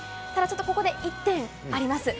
ここで１点、あります。